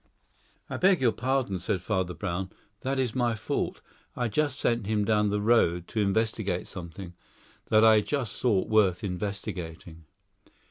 "I beg your pardon," said Father Brown; "that is my fault. I just sent him down the road to investigate something that I just thought worth investigating."